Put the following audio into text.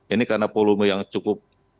ini karena volume yang cukup